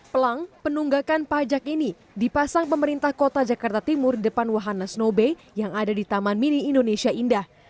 pelang penunggakan pajak ini dipasang pemerintah kota jakarta timur depan wahana snow bay yang ada di taman mini indonesia indah